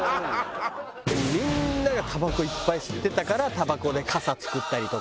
みんながタバコいっぱい吸ってたからタバコで傘作ったりとか。